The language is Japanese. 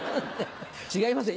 違いますよ